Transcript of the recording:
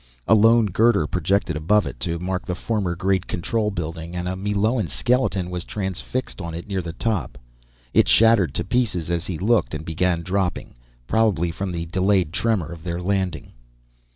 A lone girder projected above it, to mark the former great control building, and a Meloan skeleton was transfixed on it near the top. It shattered to pieces as he looked and began dropping, probably from the delayed tremor of their landing.